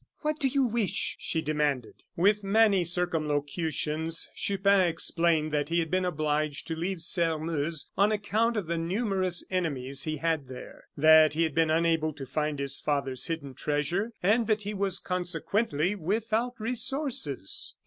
"What do you wish?" she demanded. With many circumlocutions Chupin explained that he had been obliged to leave Sairmeuse on account of the numerous enemies he had there, that he had been unable to find his father's hidden treasure, and that he was consequently without resources.